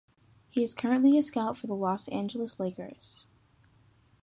He is currently a scout for the Los Angeles Lakers.